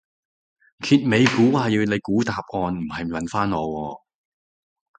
揭尾故係你要估答案唔係問返我喎